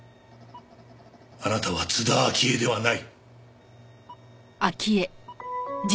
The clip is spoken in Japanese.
あなたは津田明江ではない。